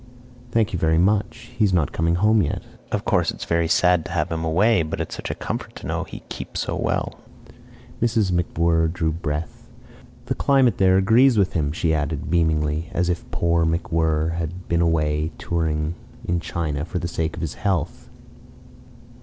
"Thank you very much. He's not coming home yet. Of course it's very sad to have him away, but it's such a comfort to know he keeps so well." Mrs. MacWhirr drew breath. "The climate there agrees with him," she added, beamingly, as if poor MacWhirr had been away touring in China for the sake of his health.